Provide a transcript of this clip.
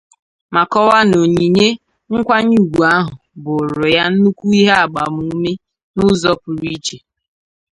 ma kọwaa na onyinye nkwanyeùgwù ahụ bụụrụ ya nnukwu ihe agbamume n'ụzọ pụrụ iche.